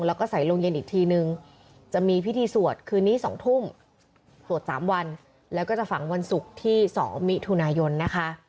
แล้วก็ใส่โรงเย็นอีกทีนึงจะมีพิธีสวดคืนนี้๒ทุ่มสวด๓วันแล้วก็จะฝังวันศุกร์ที่๒มิถุนายนนะคะ